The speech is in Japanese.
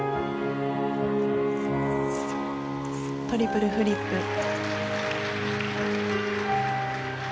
トリプルフリップ。